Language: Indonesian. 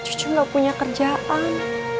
cucu gak punya kerjaan